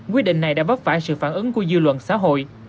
quyết định này đã vấp phải sự phản ứng của dư luận xã hội